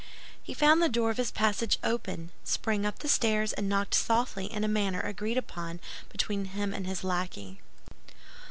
He found the door of his passage open, sprang up the stairs and knocked softly in a manner agreed upon between him and his lackey.